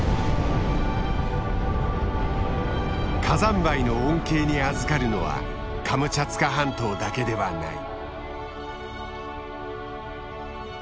火山灰の恩恵にあずかるのはカムチャツカ半島だけではない。